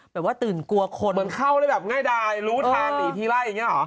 แบบว่าตื่นกลัวคนเหมือนเข้าได้แบบง่ายดายรู้ทางหนีทีไล่อย่างนี้หรอ